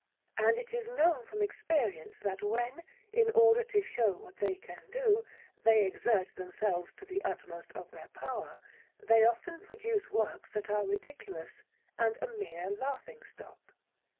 And it is known from experience that when, in order to show what they can do, they exert themselves to the utmost of their power, they often produce works that are ridiculous and a mere laughing stock.